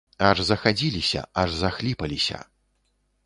Аж захадзіліся, аж захліпаліся.